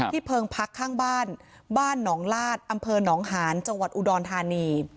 เพิงพักข้างบ้านบ้านหนองลาดอำเภอหนองหานจังหวัดอุดรธานี